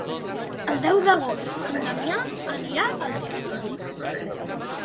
El deu d'agost en Damià anirà al teatre.